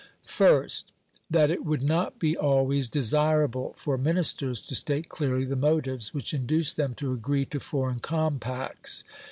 First, that it would not be always desirable for Ministers to state clearly the motives which induced them to agree to foreign compacts.